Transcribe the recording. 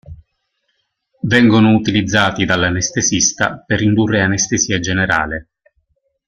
Vengono utilizzati dall'anestesista per indurre anestesia generale.